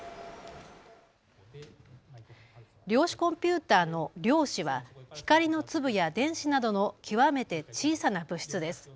量子コンピューターの量子は光の粒や電子などの極めて小さな物質です。